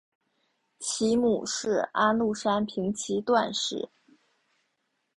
其母是安禄山平妻段氏。